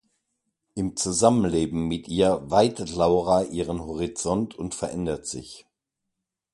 Im Zusammenleben mit ihr weitet Laura ihren Horizont und verändert sich.